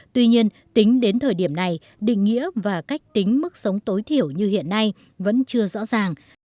tuy nhiên tính đến thời điểm này định nghĩa và cách tính mức sống tối thiểu như hiện nay vẫn chưa rõ ràng